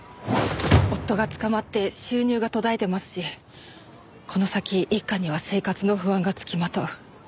夫が捕まって収入が途絶えてますしこの先一家には生活の不安がつきまとう。